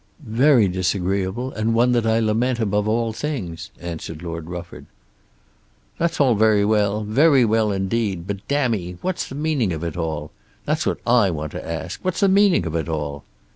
"Very disagreeable, and one that I lament above all things," answered Lord Rufford. "That's all very well; very well indeed; but, damme, what's the meaning of it all? That's what I want to ask. What's the meaning of it all?"